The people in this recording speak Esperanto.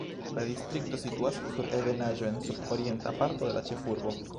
La distrikto situas sur ebenaĵo en sud-orienta parto de la ĉefurbo.